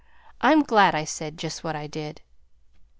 I'm glad I said just what I did."